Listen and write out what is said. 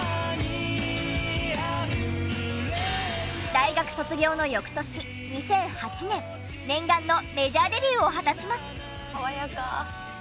大学卒業の翌年２００８年念願のメジャーデビューを果たします。